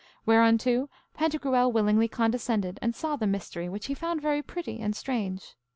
Whereunto Pantagruel willingly condescended, and saw the mystery, which he found very pretty and strange.